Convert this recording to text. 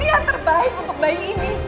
yang terbaik untuk bayi ini